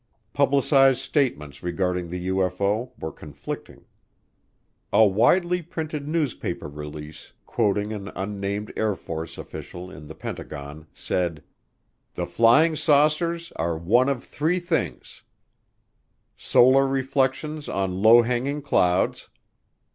Publicized statements regarding the UFO were conflicting. A widely printed newspaper release, quoting an unnamed Air Force official in the Pentagon, said: The "flying saucers" are one of three things: Solar reflections on low hanging clouds.